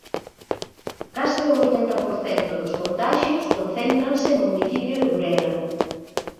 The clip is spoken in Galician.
Case o oitenta por cento dos contaxios concéntranse no municipio de Burela.